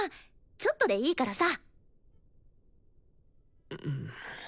ちょっとでいいからさ。